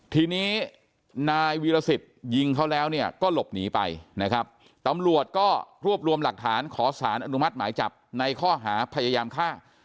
ทีนี้นายวีรสิทธิ์ยิงเขาแล้วเนี่ยก็หลบหนีไปนะครับตำรวจก็รวบรวมหลักฐานขอสารอนุมัติหมายจับในข้อหาพยายามฆ่า